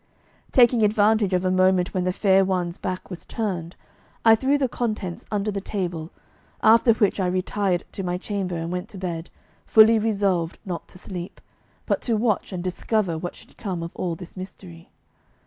Taking advantage of a moment when the fair one's back was turned, I threw the contents under the table, after which I retired to my chamber and went to bed, fully resolved not to sleep, but to watch and discover what should come of all this mystery.